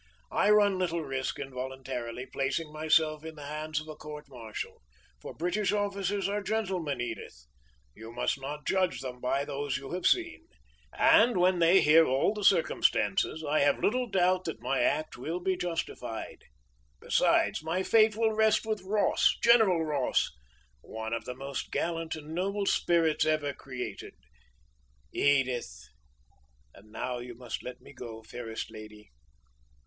I run little risk in voluntarily placing myself in the hands of a court martial for British officers are gentlemen, Edith! you must not judge them by those you have seen and when they hear all the circumstances, I have little doubt that my act will be justified besides, my fate will rest with Ross, General Ross one of the most gallant and noble spirits ever created, Edith! And now you must let me go, fairest lady."